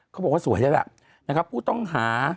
เขาบอกว่าสวยแล้วล่ะนะครับผู้ต้องหา